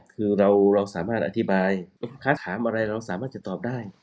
คือเราสามารถอธิบายลูกค้าถามอะไรเราสามารถจะตอบได้